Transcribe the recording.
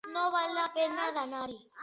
No val la pena d'anar-hi.